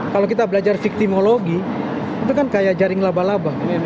kalau kita belajar fiktimologi itu kan kayak jaring laba laba